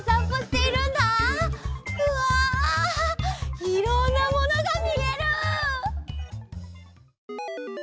うわいろんなものがみえる！